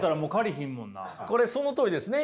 これそのとおりですね。